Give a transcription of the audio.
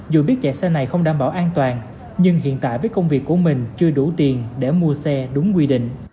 dù biết chạy xe này không đảm bảo an toàn nhưng hiện tại với công việc của mình chưa đủ tiền để mua xe đúng quy định